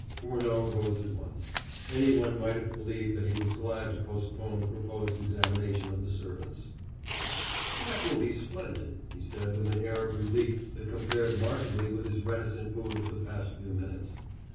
Furneaux rose at once. Anyone might have believed that he was glad to postpone the proposed examination of the servants. "That will be splendid," he said with an air of relief that compared markedly with his reticent mood of the past few minutes.